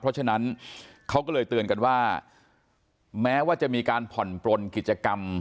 เพราะฉะนั้นเขาก็เลยเตือนกันว่าแม้ว่าจะมีการผ่อนปลนกิจกรรม